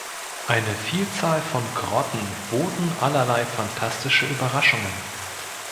Eine Vielzahl von Grotten boten allerlei fantastische Überraschungen.